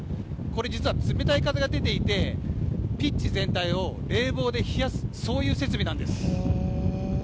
これ実は、冷たい風が出ていてピッチ全体を冷房で冷やす設備なんです。